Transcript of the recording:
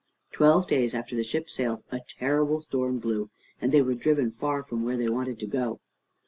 Twelve days after the ship sailed, a terrible storm blew, and they were driven far from where they wanted to go.